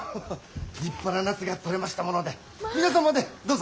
立派なナスが取れましたもので皆様でどうぞ。